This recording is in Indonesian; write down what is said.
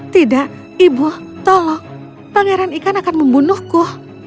tidak ibu tolong pangeran ikan akan membunuhku